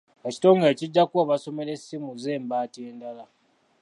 Ekitongole kijja kuwa amasomero essimu z'embaati endala.